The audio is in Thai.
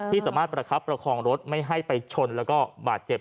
สามารถประคับประคองรถไม่ให้ไปชนแล้วก็บาดเจ็บ